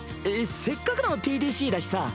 せっかくのＴＤＣだしさ。